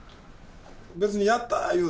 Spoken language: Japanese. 別にやったいう